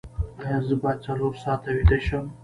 ایا زه باید څلور ساعته ویده شم؟